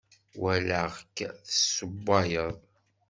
Walaɣ-k tessewwayeḍ.